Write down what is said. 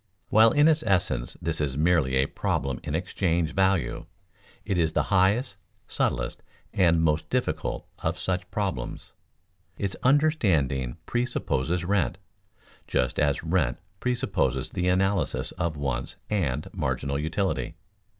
While in its essence this is merely a problem in exchange value, it is the highest, subtlest, and most difficult of such problems. Its understanding presupposes rent, just as rent presupposes the analysis of wants and marginal utility.